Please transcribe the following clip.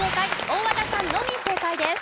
大和田さんのみ正解です。